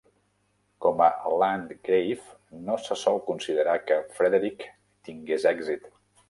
Com a Landgrave, no se sol considerar que Frederick tingués èxit.